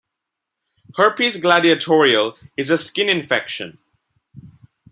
Herpes Gladiatorial is a skin infection.